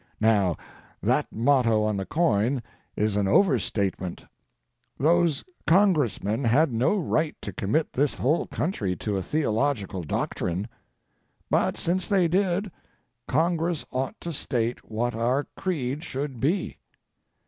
Now, that motto on the coin is an overstatement. Those Congressmen had no right to commit this whole country to a theological doctrine. But since they did, Congress ought to state what our creed should be.